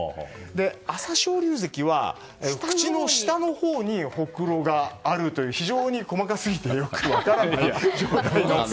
朝青龍関は口の下のほうにほくろがあるという非常に細かすぎてよく分からない状態で。